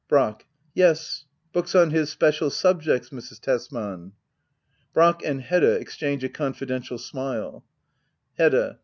Brack. Yes^ books on his special subjects^ Mrs. Tesman. [Brack and Hedda exchange a confidential smile, Hedda.